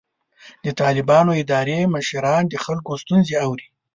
د طالبانو اداري مشران د خلکو ستونزې اوري.